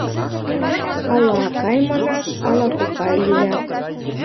Ала акай манаш, ала кокай лият?